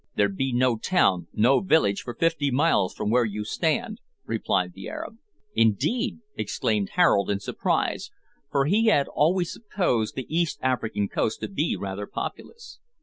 "There be no town, no village, for fifty miles from where you stand," replied the Arab. "Indeed!" exclaimed Harold in surprise, for he had always supposed the East African coast to be rather populous.